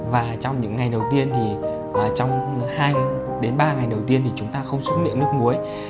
và trong những ngày đầu tiên thì trong hai đến ba ngày đầu tiên thì chúng ta không súng miệng nước muối